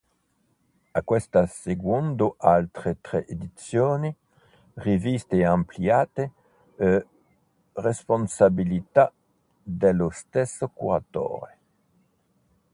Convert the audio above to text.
A questa seguono altre tre edizioni, riviste e ampliate, a responsabilità dello stesso curatore.